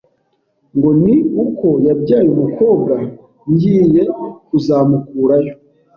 ngo ni uko yabyaye umukobwa ngiye kuzamukurayo